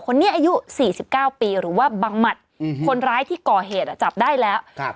อายุสี่สิบเก้าปีหรือว่าบังหมัดอืมคนร้ายที่ก่อเหตุอ่ะจับได้แล้วครับ